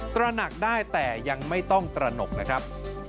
ตระหนักได้แต่ยังไม่ต้องตระหนกนะครับ